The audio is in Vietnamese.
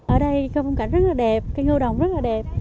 ở đây có phong cảnh rất là đẹp cây ngô đồng rất là đẹp